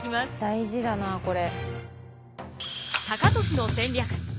大事だなこれ。